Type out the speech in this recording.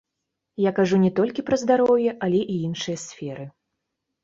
Я кажу не толькі пра здароўе, але і іншыя сферы.